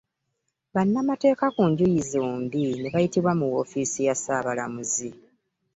Bannamateeka ku njuuyi zombi ne bayitibwa mu woofiisi ya Ssaabalamuzi.